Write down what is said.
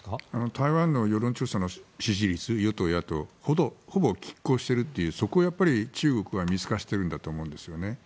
台湾の世論調査の支持率与党、野党ほぼきっ抗しているというそこを中国は見透かしていると思うんですね。